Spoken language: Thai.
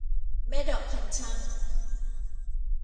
แม่เดาะคันชั่ง